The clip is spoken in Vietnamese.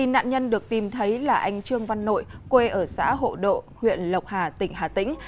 nạn nhân được tìm thấy là anh trương văn nội quê ở xã hộ độ huyện lộc hà tỉnh hà tĩnh